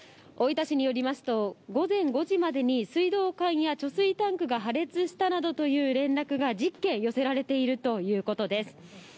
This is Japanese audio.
大分市によりますと、午前５時までに、水道管や貯水タンクが破裂したなどという連絡が１０件寄せられているということです。